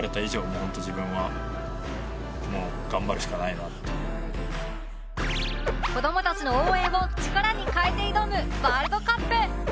みんな子どもたちの応援を力に変えて挑むワールドカップ！